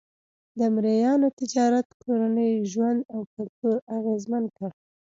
د مریانو تجارت کورنی ژوند او کلتور اغېزمن کړ.